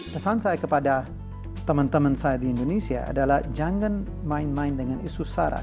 pesan saya kepada teman teman saya di indonesia adalah jangan main main dengan isu sara